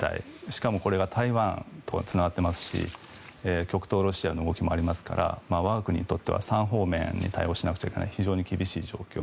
しかも、これが台湾とかにつながっていますし極東ロシアの動きもありますから我が国にとっては３方面に対応しなくちゃならない非常に厳しい状況。